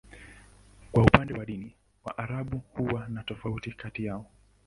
Kwa upande wa dini, Waarabu huwa na tofauti kati yao.